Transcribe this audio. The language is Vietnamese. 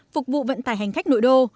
phục vụ vận tải hành khách nội đô